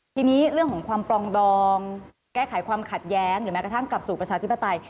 ทีนี้เรื่องของความปลองดองแก้ไขความขัดแย้งหรือแม้กระทั่งกลับสู่ประชาธิปไตย